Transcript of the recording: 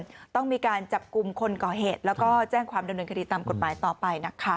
ต้องมีการจับกลุ่มคนก่อเหตุแล้วก็แจ้งความดำเนินคดีตามกฎหมายต่อไปนะคะ